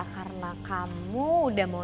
karena kamu udah mau